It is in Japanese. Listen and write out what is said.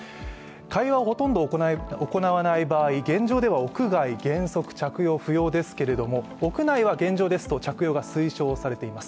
会話をほとんど行わない場合、屋外原則着用不要ですけど屋内は現状ですと着用が推奨されています。